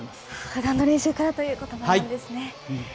ふだんの練習からということなんですね。